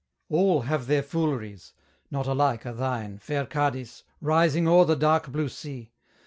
All have their fooleries; not alike are thine, Fair Cadiz, rising o'er the dark blue sea!